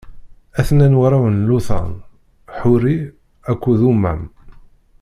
A-ten-an warraw n Luṭan: Ḥuri akked Umam.